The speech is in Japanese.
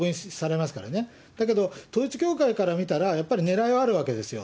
だけど統一教会から見たら、やっぱりねらいはあるわけですよ。